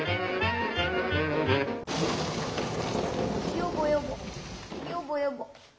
「よぼよぼよぼよぼ。